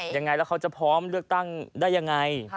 ยังไงแล้วเขาจะพร้อมเลือกตั้งได้ยังไง